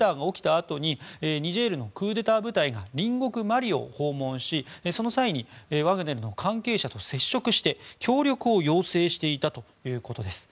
あとにニジェールのクーデター部隊が隣国マリを訪問しその際、ワグネルの関係者と接触して協力を要請していたということです。